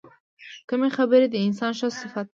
کمې خبرې، د انسان ښه صفت دی.